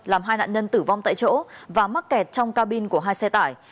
làm hai nạn nhân tử vong tại chỗ và mắc kẹt trong cabin của hai xe tải